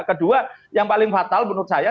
kedua yang paling fatal menurut saya